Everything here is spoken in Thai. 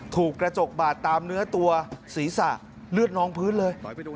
ถูกกระจกบาดตามเนื้อตัวศีรษะเลือดนองพื้นเลย